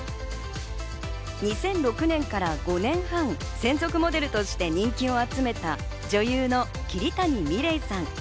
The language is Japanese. ２００６年から５年半、専属モデルとして人気を集めた女優の桐谷美玲さん。